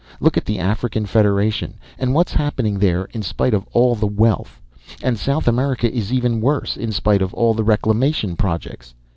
Look at the African Federation, and what's happened there, in spite of all the wealth! And South America is even worse, in spite of all the reclamation projects.